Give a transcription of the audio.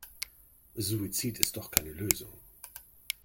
Suizid ist doch keine Lösung.